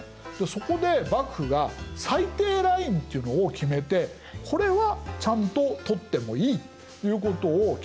そこで幕府が最低ラインっていうのを決めてこれはちゃんと取ってもいいということを決めたんです。